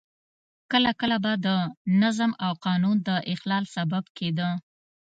کله کله به د نظم او قانون د اخلال سبب کېده.